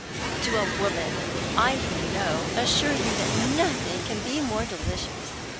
To a woman, I who know assure you that nothing can be more delicious.